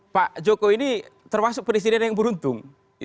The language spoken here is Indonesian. pak jokowi ini termasuk pendistirian yang beruntung